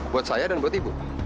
buat saya dan buat ibu